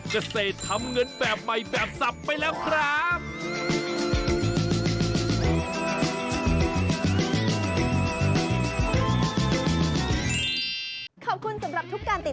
เกษตรทำเงินแบบใหม่แบบสับไปแล้วครับ